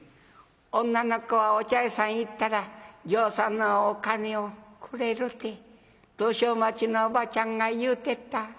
「女の子はお茶屋さんへ行ったらぎょうさんのお金をくれるて道修町のおばちゃんが言うてた」。